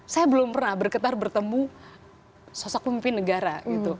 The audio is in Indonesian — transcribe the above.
saya belum pernah bergetar bertemu sosok pemimpin negara